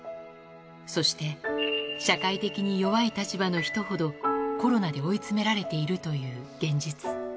そして、社会的に弱い立場の人ほど、コロナで追い詰められているという現実。